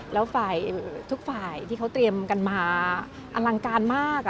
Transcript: แล้วฝ่ายทุกฝ่ายที่เขาเตรียมกันมาอลังการมาก